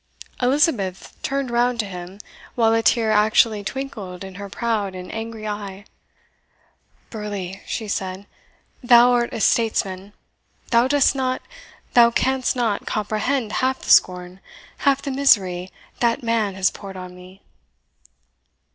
Elizabeth turned round to him, while a tear actually twinkled in her proud and angry eye. "Burleigh," she said, "thou art a statesman thou dost not, thou canst not, comprehend half the scorn, half the misery, that man has poured on me!"